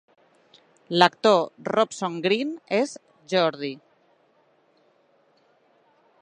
L'actor Robson Green és Geordie.